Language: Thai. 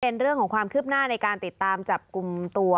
เป็นเรื่องของความคืบหน้าในการติดตามจับกลุ่มตัว